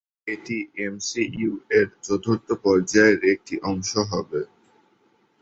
এটি এমসিইউ এর চতুর্থ পর্যায়ের একটি অংশ হবে।